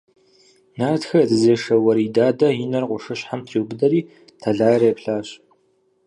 Нартхэ я дзэзешэ Уэрий Дадэ и нэр къуршыщхьэм триубыдэри тэлайрэ еплъащ.